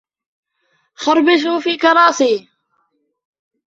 خربشوا في كراسي.